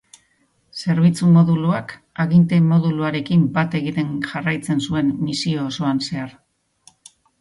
Zerbitzu-moduluak aginte-moduluarekin bat egiten jarraitzen zuen misio osoan zehar.